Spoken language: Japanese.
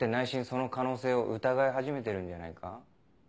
その可能性を疑い始めてるんじゃないか？